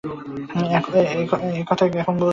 একথা এখন বলছেন?